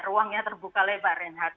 ruangnya terbuka lebar renhard